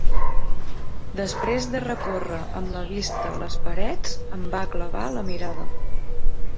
Després de recórrer amb la vista les parets em va clavar la mirada.